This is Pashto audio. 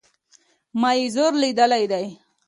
ما ئې زور ليدلى دئ